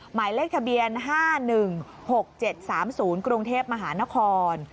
หมายเลขทะเบียน๕๑๖๗๓๐กรุงเทพมหานคร